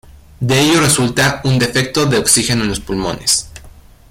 De ello resulta un defecto de oxígeno en los pulmones.